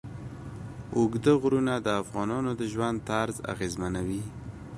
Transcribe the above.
اوږده غرونه د افغانانو د ژوند طرز اغېزمنوي.